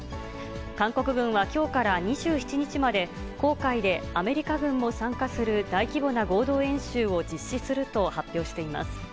韓国軍はきょうから２７日まで、黄海でアメリカ軍も参加する大規模な合同演習を実施すると発表しています。